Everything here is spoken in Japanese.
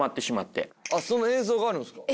あっその映像があるんすか。